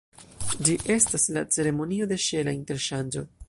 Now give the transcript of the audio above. Ĝi estas la ceremonio de ŝela interŝanĝo.